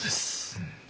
うん。